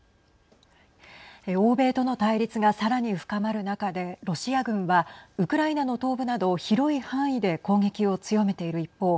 欧米との対立がさらに深まる中でロシア軍はウクライナの東部など広い範囲で攻撃を強めている一方